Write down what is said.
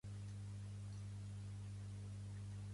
Fer-ho jo mateix fins i tot si m'estrello!